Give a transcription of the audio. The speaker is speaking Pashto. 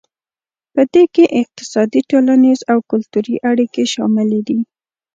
پدې کې اقتصادي ټولنیز او کلتوري اړیکې شاملې دي